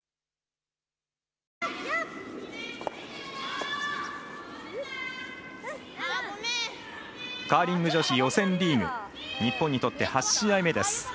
日本にとって８試合目です。